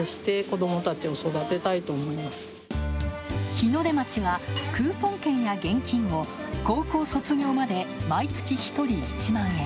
日の出町はクーポン券や現金を高校卒業まで毎月１人１万円。